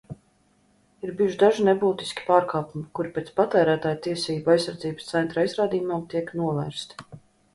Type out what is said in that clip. Ir bijuši daži nebūtiski pārkāpumi, kuri pēc Patērētāju tiesību aizsardzības centra aizrādījumiem tiek novērsti.